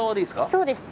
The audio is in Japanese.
そうです。